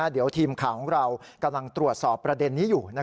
เดี๋ยวทีมข่าวของเรากำลังตรวจสอบประเด็นนี้อยู่